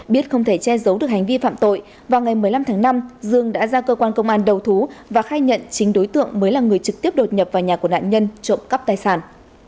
biết không thể che giấu được hành vi phạm tội vào ngày một mươi năm tháng năm dương đã ra cơ quan công an đầu thú và khai nhận chính đối tượng mới là người trực tiếp đột nhập vào nhà của nạn nhân trộm cắp tài sản